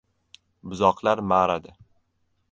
Buzoqlar ma’radi.